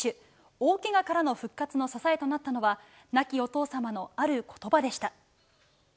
大けがからの復活の支えとなったのは、亡きお父様のあることばでした。